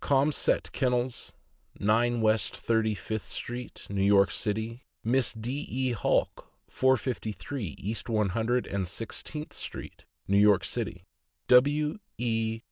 Caumsett Kennels, 9 West Thirty fifth street, New York City; Miss D. E Halk, 453 East One Hundred and Sixteenth street, New York City; W. E.